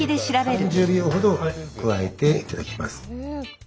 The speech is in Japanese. ３０秒ほどくわえていただきます。